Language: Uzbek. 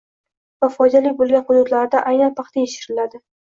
va foydali bo‘lgan hududlarda aynan paxta yetishtiriladi